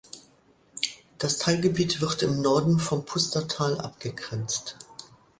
Das Teilgebiet wird im Norden vom Pustertal abgegrenzt.